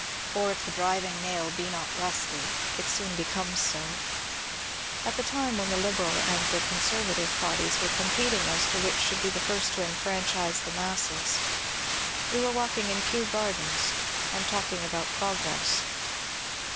Or if the driving nail be not rusty, it soon becomes so. At the time when the '^ Liberal " and the ^' Conservative " parties were competing as to which should be first to enfranchise the masses, we were walking in Kew Gardens and talking about ^' Progress."